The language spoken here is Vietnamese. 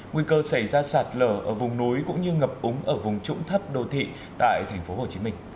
nguy cơ xảy ra sạt lở ở vùng núi cũng như ngập úng ở vùng trũng thấp đô thị tại tp hcm